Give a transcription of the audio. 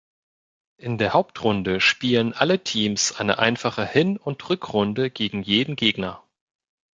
In der Hauptrunde spielen alle Teams eine einfache Hin- und Rückrunde gegen jeden Gegner.